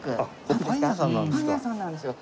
ここパン屋さんですか。